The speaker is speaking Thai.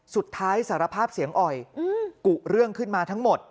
สารภาพเสียงอ่อยกุเรื่องขึ้นมาทั้งหมด